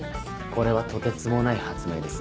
これはとてつもない発明です。